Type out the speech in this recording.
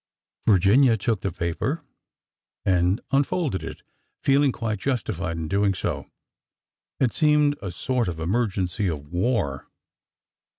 Virginia took the paper and unfolded it, feeling quite 240 ORDER NO. 11 justified in doing so. It seemed a sort of emergency of war.